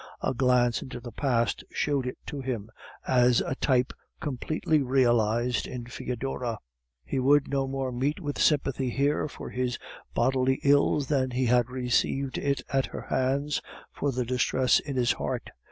A glance into the past showed it to him, as a type completely realized in Foedora. He would no more meet with sympathy here for his bodily ills than he had received it at her hands for the distress in his heart.